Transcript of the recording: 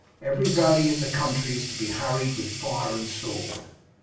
Every valley in the country is to be harried with fire and sword.